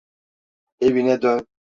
Evine dön.